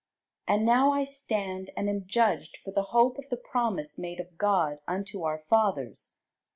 And now I stand and am judged for the hope of the promise made of God unto our fathers.